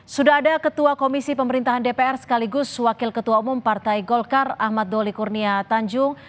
sudah ada ketua komisi pemerintahan dpr sekaligus wakil ketua umum partai golkar ahmad doli kurnia tanjung